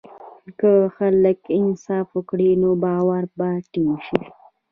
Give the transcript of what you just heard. که خلک انصاف وکړي، نو باور به ټینګ شي.